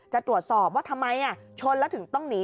จะตรวจสอบว่าทำไมชนแล้วถึงต้องหนี